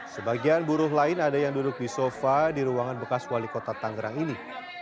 sebagian buruh lain ada yang duduk di sofa di ruangan bekas wali kota tangerang ini